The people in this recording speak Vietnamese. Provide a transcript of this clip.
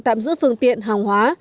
tạm giữ phương tiện hàng hóa